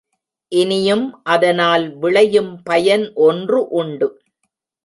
இனியும் அதனால் விளையும் பயன் ஒன்று உண்டு.